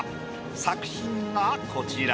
作品がこちら。